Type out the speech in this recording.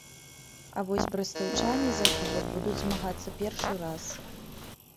А вось брэстаўчане за кубак будуць змагацца першы раз.